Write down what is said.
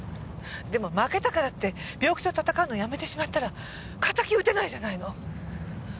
でも負けたからって病気と闘うのをやめてしまったら敵討てないじゃないの。